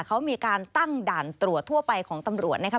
เขามีการตั้งด่านตรวจทั่วไปของตำรวจนะครับ